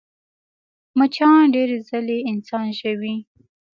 مچان ډېرې ځلې انسان ژوي